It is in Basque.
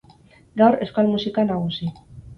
Gaur, euskal musika nagusi.